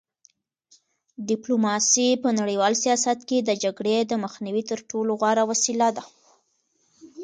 ډیپلوماسي په نړیوال سیاست کې د جګړې د مخنیوي تر ټولو غوره وسیله ده.